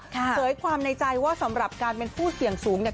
เคยความในใจว่าสำหรับการเป็นผู้เสี่ยงสูงเนี่ย